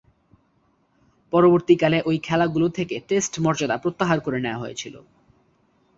পরবর্তীকালে ঐ খেলাগুলো থেকে টেস্ট মর্যাদা প্রত্যাহার করে নেয়া হয়েছিল।